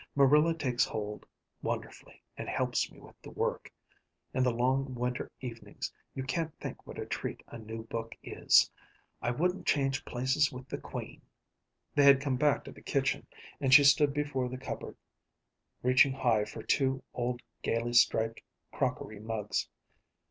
"Marilla takes hold wonderfully and helps me with the work. In the long winter evenings you can't think what a treat a new book is. I wouldn't change places with the queen." They had come back to the kitchen, and she stood before the cupboard, reaching high for two old gayly striped crockery mugs.